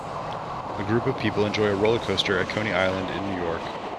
A group of people enjoy a roller coaster at Coney Island in New York.